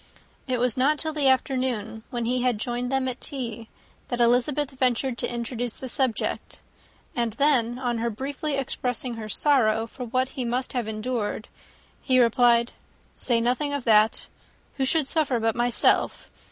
It was not till the afternoon, when he joined them at tea, that Elizabeth ventured to introduce the subject; and then, on her briefly expressing her sorrow for what he must have endured, he replied, "Say nothing of that. Who should suffer but myself?